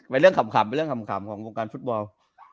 เป็นเรื่องขำของวงการฟุตบอล